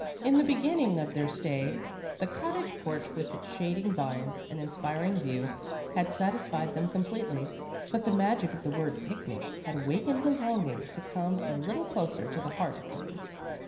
In the beginning of their stay the cottage porch with its shading vines and inspiring view, had satisfied them completely, but the magic of the word "picnic" had awakened a longing to come a little closer to the heart of things.